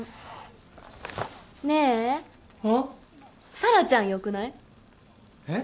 さらちゃんよくない？えっ？